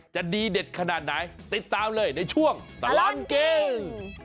จะดีเด็ดขนาดไหนติดตามเลยในช่วงตลอดกิน